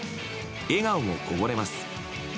笑顔もこぼれます。